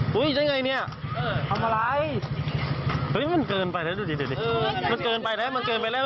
หนีได้ไง